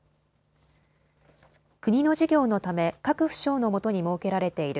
国の事業のため各府省のもとに設けられている